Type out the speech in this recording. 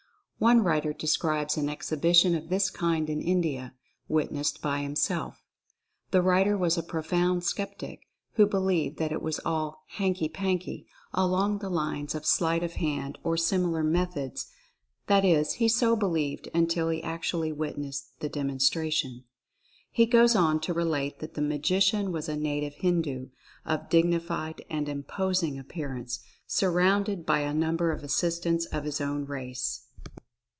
One writer describes an exhibition of this kind in India, witnessed by himself. The writer was a profound skeptic, who believed that it was all "hanky panky" along the lines of sleight of hand or 156 Oriental Fascination 157 similar methods — that is, he so believed until he actually witnessed the demonstration. He goes on to relate that the Magician was a native Hindu, of dig nified and imposing appearance, surrounded by a number of assistants of his own race.